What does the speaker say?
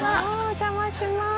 お邪魔します。